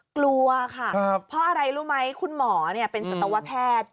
กลัวค่ะพออะไรรู้มั้ยคุณหมอเนี่ยยเป็นสัตวแพทย์